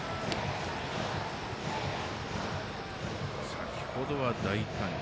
先ほどは大胆に。